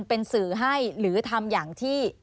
เป็นสื่อให้หรือทำอย่างที่